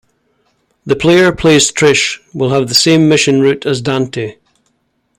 The player plays Trish will have a same mission route as Dante.